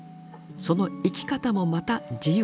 その生き方もまた自由でした。